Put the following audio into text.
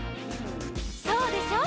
「そうでしょ？」